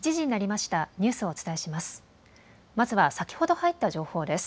まずは先ほど入った情報です。